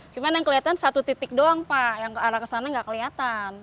cuma yang kelihatan satu titik doang pak yang ke arah ke sana nggak kelihatan